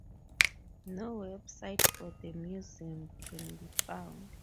No website for the museum can be found.